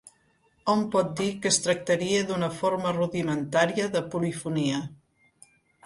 Hom pot dir que es tractaria d'una forma rudimentària de polifonia.